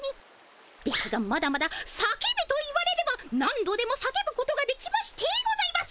ですがまだまだ叫べと言われれば何度でも叫ぶことができましてございます。